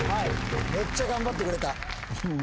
めっちゃ頑張ってくれた。